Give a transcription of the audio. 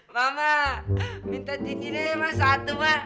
mama minta cincinnya emang satu ma